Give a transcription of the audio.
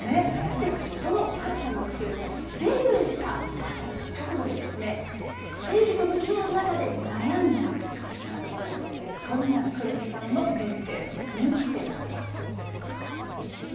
で、その黒木さんなんですけれども、デビューしたあと、直後に、演技と向き合う中で悩んだ時期があるということで、そんな黒木さんの人生の分岐点とは？